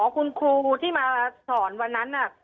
คุณครูที่มาสอนวันนั้น